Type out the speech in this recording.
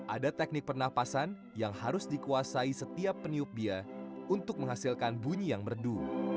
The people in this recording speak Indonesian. ada teknik pernafasan yang harus dikuasai setiap peniup bia untuk menghasilkan bunyi yang merdu